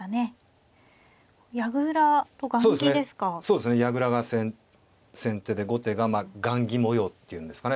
そうですね矢倉が先手で後手がまあ雁木模様って言うんですかね。